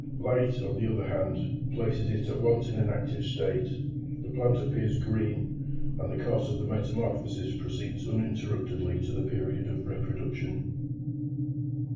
Light, on the other hand, places it at once in an active state; the plant appears green, and the course of the metamorphosis proceeds uninterruptedly to the period of reproduction.